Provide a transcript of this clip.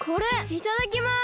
いただきます！